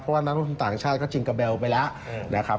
เพราะว่านักลงทุนต่างชาติก็จิงกาเบลไปแล้วนะครับ